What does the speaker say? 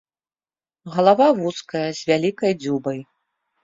Галава вузкая з вялікай дзюбай.